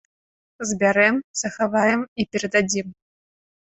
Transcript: Збярэм, захаваем і перададзім!